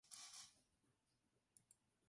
它用于有机合成中巯基的引入。